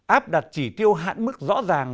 áp đặt chỉ tiêu hạn mức rõ ràng